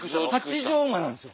八畳間なんですよ。